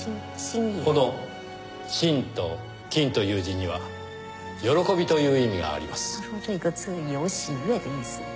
この「欣」と「欣」という字には「喜び」という意味があります。